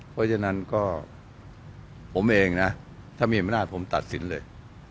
เพราะฉะนั้นก็ผมเองนะถ้ามีอำนาจผมตัดสินเลย